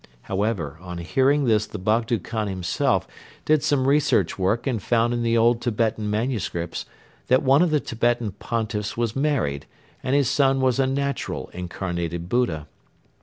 However, on hearing this the Bogdo Khan himself did some research work and found in the old Tibetan manuscripts that one of the Tibetan Pontiffs was married and his son was a natural Incarnated Buddha.